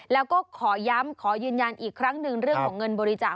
แล้วก็ขอย้ำขอยืนยันอีกครั้งหนึ่งเรื่องของเงินบริจาค